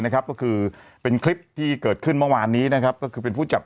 ก็คือเป็นคลิปที่เกิดขึ้นเมื่อวานนี้นะครับก็คือเป็นผู้จับ